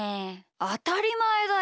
あたりまえだよ。